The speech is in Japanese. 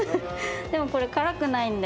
でもこれ、辛くないんで。